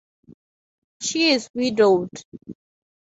She is Widowed.